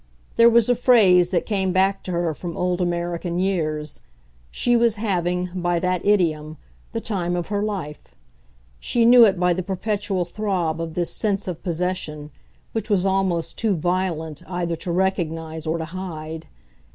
There was a phrase that came back to her from old American years: she was having, by that idiom, the time of her life she knew it by the perpetual throb of this sense of possession, which was almost too violent either to recognise or to hide.